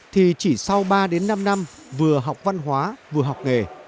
thì chỉ sau ba đến năm năm vừa học văn hóa vừa học nghề